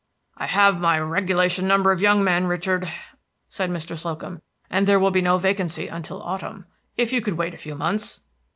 "I have my regulation number of young men, Richard," said Mr. Slocum, "and there will be no vacancy until autumn. If you could wait a few months."